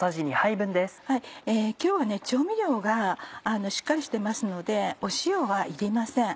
今日は調味料がしっかりしてますので塩はいりません。